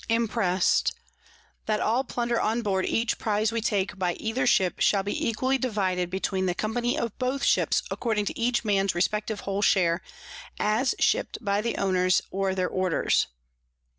Impr. _That all Plunder on board each Prize we take by either Ship, shall be equally divided between the Company of both Ships, according to each Man's respective whole Share, as ship'd by the Owners or their Orders.